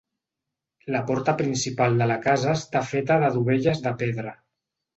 La porta principal de la casa està feta de dovelles de pedra.